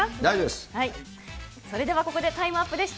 それではここでタイムアップです。